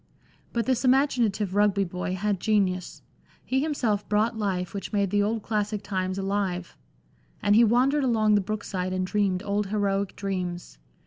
But this imaginative Rugby boy had genius ; he himself brought life which made the old classic times alive ; and he wandered along the brook side and dreamed old heroic dreams.